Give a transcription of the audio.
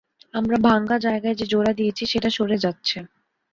আমরা ভাঙ্গা জায়গায় যে জোড়া দিয়েছি, সেটা সরে যাচ্ছে।